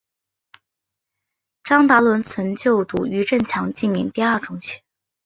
张达伦曾就读余振强纪念第二中学。